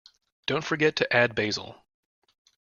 Don't forget to add Basil.